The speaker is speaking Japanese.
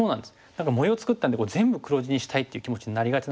何か模様作ったんで全部黒地にしたいっていう気持ちになりがちなんですけど。